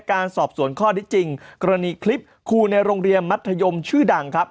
การสอบสวนข้อที่จริงกรณีคลิปครูในโรงเรียนมัธยมชื่อดังครับ